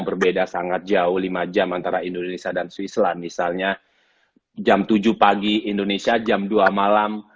berbeda sangat jauh lima jam antara indonesia dan swissland misalnya jam tujuh pagi indonesia jam dua malam